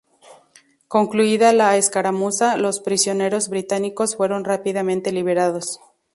Concluida la escaramuza, los prisioneros británicos fueron rápidamente liberados.